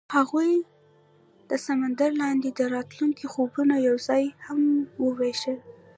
هغوی د سمندر لاندې د راتلونکي خوبونه یوځای هم وویشل.